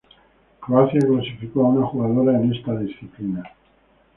Croacia clasificó a una jugadora en esta disciplina.